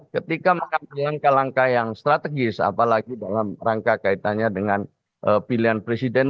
ketika mengambil langkah langkah yang strategis apalagi dalam rangka kaitannya dengan pilihan presiden